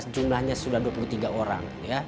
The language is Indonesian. jumlahnya sudah dua puluh tiga orang